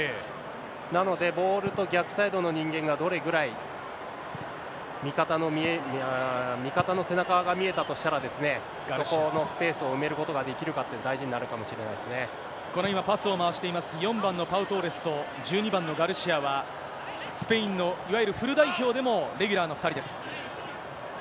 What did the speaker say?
なので、ボールと逆サイドの人間が、どれぐらい、味方の背中が見えたとしたら、そこのスペースを埋めることができるかっていうのが大事になるかこの今、パスを回しています、４番のパウ・トーレスと、１２番のガルシアは、スペインのいわゆるフル代表でもレギュラーの２人です。